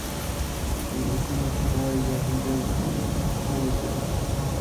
انګلیسي متل وایي جاهل ډېرې پوښتنې کوي.